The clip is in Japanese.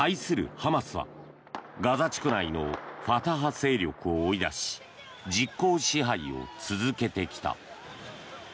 ハマスは、ガザ地区内のファタハ勢力を追い出し実効支配を続けてきた。